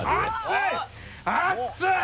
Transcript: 熱い！